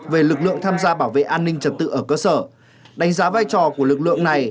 về lực lượng tham gia bảo vệ an ninh trật tự ở cơ sở đánh giá vai trò của lực lượng này